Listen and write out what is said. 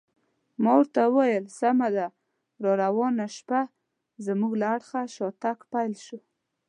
ما ورته وویل: سمه ده، راروانه شپه زموږ له اړخه شاتګ پیل شو.